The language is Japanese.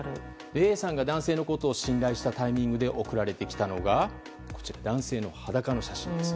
Ａさんが男性のことを信頼したタイミングで送られてきたのが男性の裸の写真です。